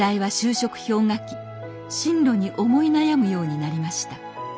進路に思い悩むようになりました